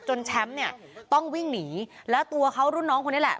แชมป์เนี่ยต้องวิ่งหนีแล้วตัวเขารุ่นน้องคนนี้แหละ